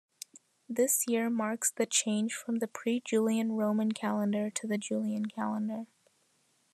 This year marks the change from the pre-Julian Roman calendar to the Julian calendar.